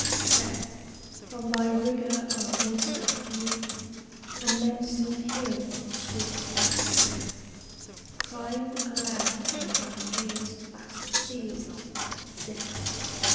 I. DEATH, from thy rigour a voice appealed, And men still hear what the sweet cry saith, Crying aloud in thine ears fast sealed, Death.